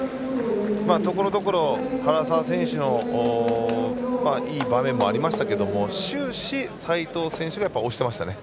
ところどころ原沢選手のいい場面もありましたけど終始、斉藤選手が押してましたね。